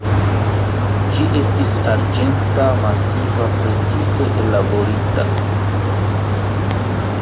Ĝi estis arĝenta, masiva, precize ellaborita.